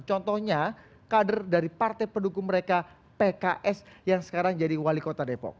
contohnya kader dari partai pendukung mereka pks yang sekarang jadi wali kota depok